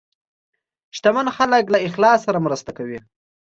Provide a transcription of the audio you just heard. شتمن خلک له اخلاص سره مرسته کوي.